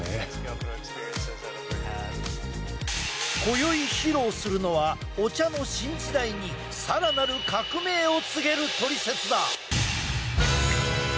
こよい披露するのはお茶の新時代にさらなる革命を告げるトリセツだ。